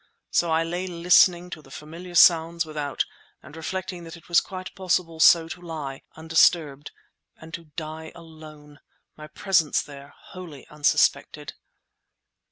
So I lay listening to the familiar sounds without and reflecting that it was quite possible so to lie, undisturbed, and to die alone, my presence there wholly unsuspected!